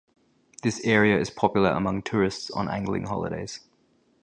The area is popular among tourists on angling holidays.